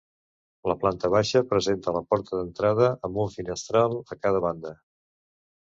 La planta baixa presenta la porta d'entrada amb un finestral a cada banda.